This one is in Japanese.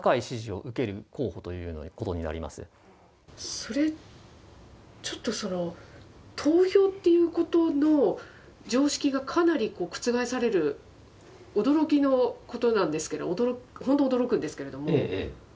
それちょっと、投票っていうことの常識がかなり覆される、驚きのことなんですけど、本当、驚くんですけれども。